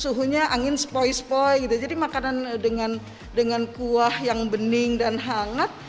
suhunya angin spoi spoi gitu jadi makanan dengan kuah yang bening dan hangat